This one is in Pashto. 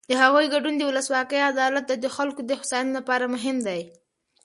د هغوی ګډون د ولسواکۍ، عدالت او د خلکو د هوساینې لپاره مهم دی.